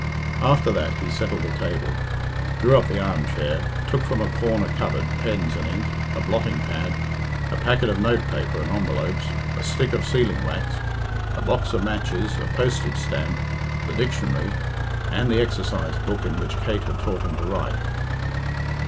After that he settled the table, drew up the armchair, took from a corner cupboard pens and ink, a blotting pad, a packet of notepaper and envelopes, a stick of sealing wax, a box of matches, a postage stamp, the dictionary, and the exercise book in which Kate had taught him to write.